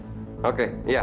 terima kasih terima kasih